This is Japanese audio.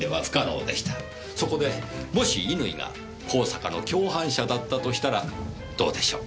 そこでもし乾が香坂の共犯者だったとしたらどうでしょう？